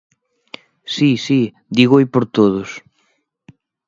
Si, si, dígoo por todos.